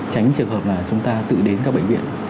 tránh trường hợp là chúng ta tự đến các bệnh viện